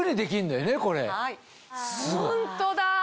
ホントだ。